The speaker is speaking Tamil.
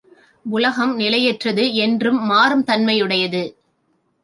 உலகம் நிலையற்றது, என்றும் மாறுந் தன்மையது.